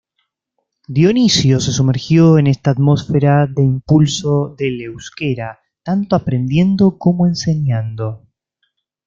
Dionisio se sumergió en esta atmósfera de impulso del euskera, tanto aprendiendo como enseñando.